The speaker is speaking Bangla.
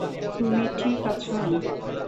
তুমি ঠিক আছো?